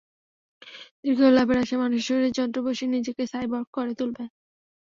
দীর্ঘায়ু লাভের আশায় মানুষ শরীরে যন্ত্র বসিয়ে নিজেকে সাইবর্গ করে তুলবে।